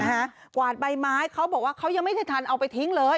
กวาดใบไม้เขาบอกว่าเขายังไม่ได้ทันเอาไปทิ้งเลย